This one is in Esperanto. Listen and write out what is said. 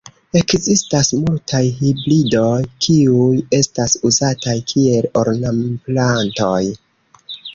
Ekzistas multaj hibridoj, kiuj estas uzataj kiel ornamplantoj.